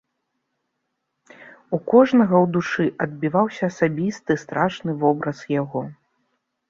У кожнага ў душы адбіваўся асабісты страшны вобраз яго.